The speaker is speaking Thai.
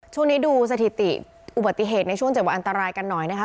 ช่วงนี้ดูสถิติอุบัติเหตุในช่วง๗วันอันตรายกันหน่อยนะคะ